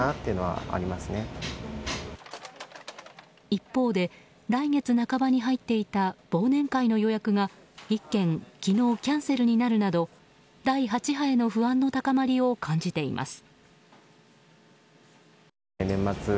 一方で来月半ばに入っていた忘年会の予約が１件昨日キャンセルになるなど第８波への不安の高まりを感じています。